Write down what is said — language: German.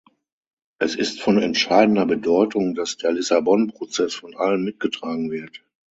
Es ist von entscheidender Bedeutung, dass der Lissabon-Prozess von allen mitgetragen wird.